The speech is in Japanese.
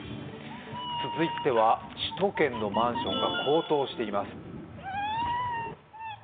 続いては、首都圏のマンションが高騰しています。